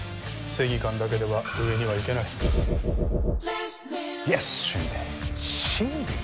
正義感だけでは上には行けないイエスシンディーシンディー？